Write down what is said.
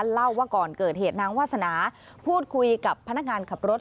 เล่าว่าก่อนเกิดเหตุนางวาสนาพูดคุยกับพนักงานขับรถ